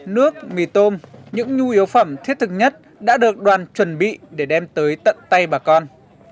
nước mì tôm những nhu yếu phẩm thiết thực nhất đã được đoàn chuẩn bị để đem tới tận tay bà con